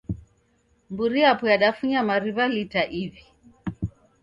Mburi yapo yadafunya mariw'a lita iw'i.